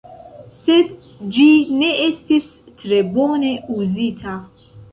Sed ĝi ne estis tre bone uzita.